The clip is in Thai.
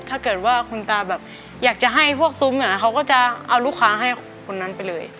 ถ้าเกิดว่าคุณตาแบบอยากจะให้พวกซุ้มเขาก็จะเอาลูกค้าให้คนนั้นไปเลย